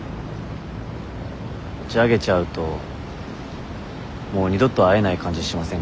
打ち上げちゃうともう二度と会えない感じしませんか？